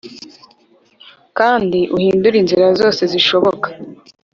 kandi uhindure inzira zose zishoboka